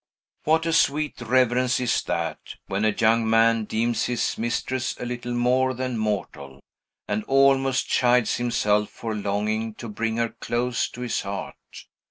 What a sweet reverence is that, when a young man deems his mistress a little more than mortal, and almost chides himself for longing to bring her close to his heart!